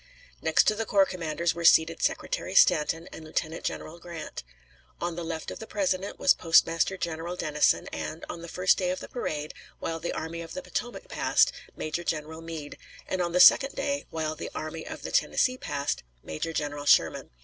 Next to the corps commanders were seated Secretary Stanton and Lieutenant General Grant. On the left of the President was Postmaster General Dennison and, on the first day of the parade, while the Army of the Potomac passed, Major General Meade; and on the second day, while the Army of the Tennessee passed, Major General Sherman.